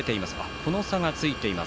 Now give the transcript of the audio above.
この差がついています。